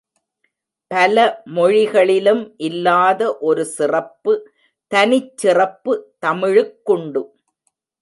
பல மொழிகளிலும் இல்லாத ஒரு சிறப்பு தனிச் சிறப்பு தமிழுக்குண்டு.